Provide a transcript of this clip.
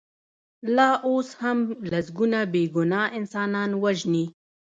لا اوس هم لسګونه بې ګناه انسانان وژني.